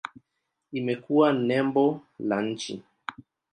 Imekuwa nembo la nchi.